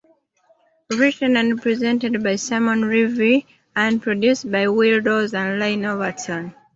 Written and presented by Simon Reeve, and produced by Will Daws and Iain Overton.